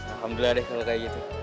alhamdulillah deh kalau kayak gitu